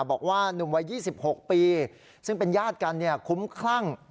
บอกว่าหนุ่มวัย๒๖ปีซึ่งเป็นญาติกันคุ้มคลั่ง